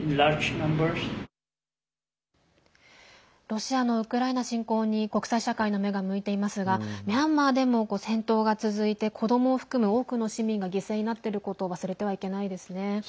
ロシアのウクライナ侵攻に国際社会の目が向いていますがミャンマーでも戦闘が続いて子どもを含む、多くの市民が犠牲になっていることを忘れてはいけないですね。